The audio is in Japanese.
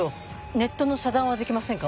ネットの遮断はできませんか？